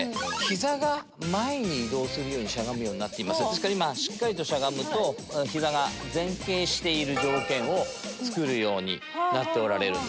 ですからしっかりとしゃがむと膝が前傾している条件をつくるようになっておられる。